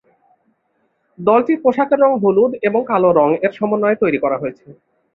দলটির পোশাকের রং হলুদ এবং কালো রং এর সমন্বয়ে তৈরী করা হয়েছে।